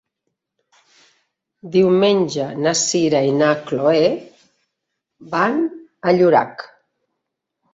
Diumenge na Sira i na Chloé van a Llorac.